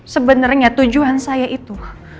sebenarnya tujuan saya itu